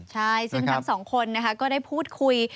ใช่ซึ่งทั้งสองคนนะคะก็ได้พูดคุย